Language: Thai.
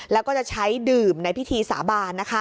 แล้วก็จะใช้ดื่มในพิธีสาบานนะคะ